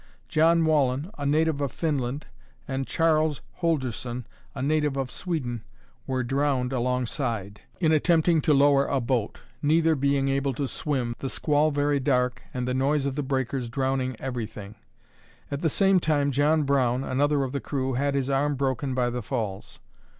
John Wallen, a native of Finland, and Charles Holdorsen, a native of Sweden, were drowned alongside, in attempting to lower a boat, neither being able to swim, the squall very dark, and the noise of the breakers drowning everything. At the same time John Brown, another of the crew, had his arm broken by the falls.